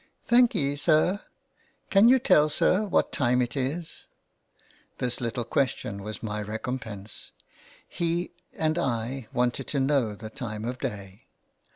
" Thankee, sir. Can you tell, sir, what time it is ?" This little question was my recompense. He and I wanted to know the time of day.